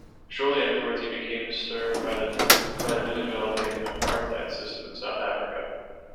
Shortly afterwards he became disturbed by the newly developing apartheid system in South Africa.